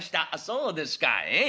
そうですかええ？